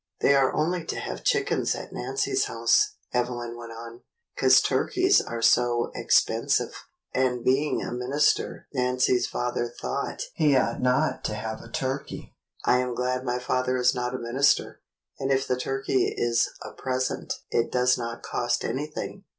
"They are only to have chickens at Nancy's house," Evelyn went on, "'cause turkeys are so expensive, and being a minister Nancy's father thought he ought not to have a turkey. I am glad my father is not a minister, and if the turkey is a present it does not cost anything.